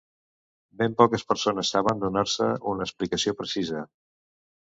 Ben poques persones saben donar-ne una explicació precisa.